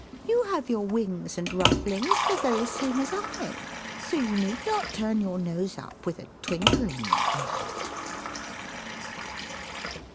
You have your wings and rufflings the very same as I, So you need not turn your nose up, with a twinkle in your eye."